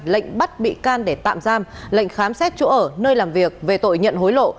lệnh bắt bị can để tạm giam lệnh khám xét chỗ ở nơi làm việc về tội nhận hối lộ